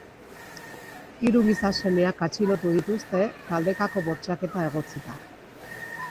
Hiru gizasemeak atxilotu dituzte, taldekako bortxaketa egotzita.